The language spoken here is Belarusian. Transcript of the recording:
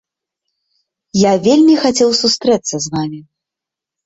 Я вельмі хацеў сустрэцца з вамі.